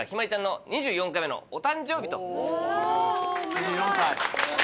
２４歳。